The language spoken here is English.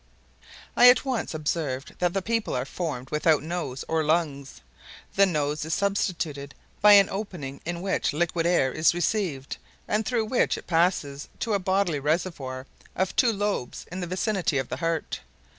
I at once observed that the people are formed without nose or lungs. The nose is substituted by an opening into which liquid air is received and through which it passes to a bodily reservoir of two lobes in the vicinity of the heart.